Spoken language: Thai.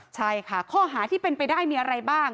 ใช่ค่ะข้อหาที่เป็นไปได้มีอะไรบ้าง